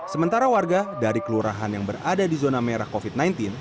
sementara warga dari kelurahan yang berada di zona merah covid sembilan belas